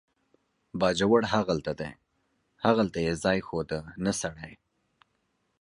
باجوړ هغلته دی، هغلته یې ځای ښوده، نه سړی.